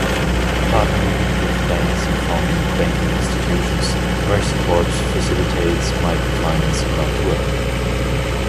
Partnering with banks and founding banking institutions, Mercy Corps facilitates microfinance around the world.